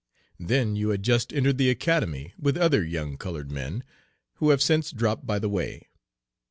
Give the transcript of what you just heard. Then you had just entered the Academy with other young colored men, who have since dropped by the way.